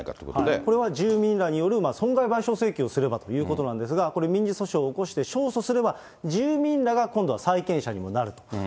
これは住民らによる損害賠償請求をすればということなんですが、これ、民事訴訟を起こして勝訴すれば、住民らが今度は債権者になると。